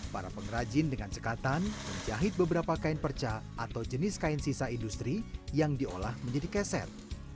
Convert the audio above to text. para pengrajin dengan cekatan menjahit beberapa kain perca atau jenis kain sisa industri yang diolah menjadi keset